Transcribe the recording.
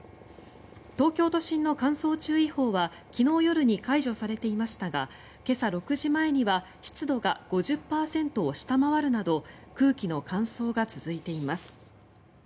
東京都心の乾燥注意報は昨日夜に解除されていましたが今朝６時前には湿度が５０％を下回るなど空気の乾燥が続いています。